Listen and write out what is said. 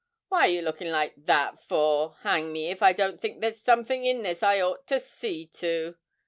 What are you looking like that for? Hang me if I don't think there's something in this I ought to see to!'